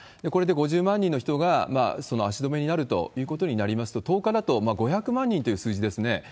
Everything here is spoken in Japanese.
これで５０万人の人が足止めになるということになりますと、１０日だと５００万人という数字ですね。